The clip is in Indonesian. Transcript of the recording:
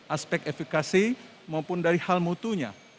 aspek efikasi maupun dari hal mutunya